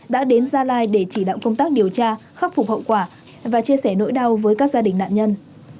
đã đến gia lai để chỉ đạo công tác điều tra khắc phục hậu quả và chia sẻ nỗi đau với các gia đình nạn nhân